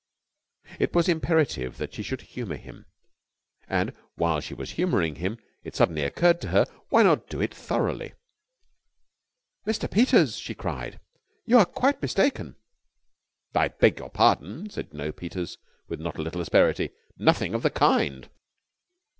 It was imperative that she should humour him. And, while she was humouring him, it suddenly occurred to her, why not do it thoroughly. "Mr. Peters," she cried, "you are quite mistaken!" "I beg your pardon," said Jno. Peters, with not a little asperity. "Nothing of the kind!"